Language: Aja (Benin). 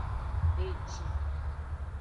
Eji.